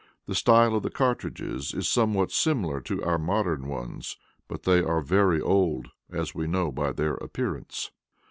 The style of the cartridges is somewhat similar to our modern ones, but they are very old, as we know by their appearance.